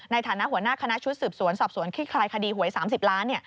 ในฐานะหัวหน้าคณะชุดสืบสวนสอบสวนคลี่คลายคดีหวย๓๐ล้าน